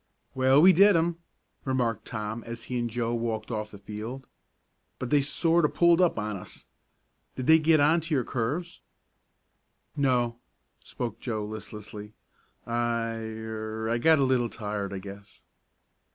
"Well, we did 'em," remarked Tom, as he and Joe walked off the field. "But they sort of pulled up on us. Did they get on to your curves?" "No," spoke Joe listlessly. "I er I got a little tired I guess."